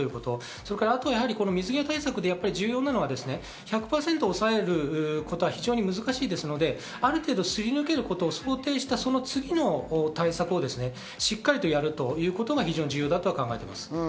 そして水際対策で重要なのは１００％抑えることは非常に難しいですので、ある程度すり抜けることを想定した次の対策をしっかりとやるということが非常に重要だと考えています。